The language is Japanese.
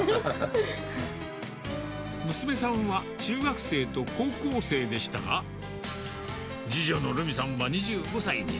娘さんは中学生と高校生でしたが、次女のるみさんは２５歳に。